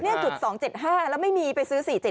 นี่จุด๒๗๕แล้วไม่มีไปซื้อ๔๗